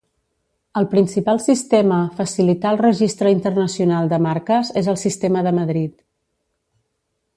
El principal sistema facilitar el registre internacional de marques és el Sistema de Madrid.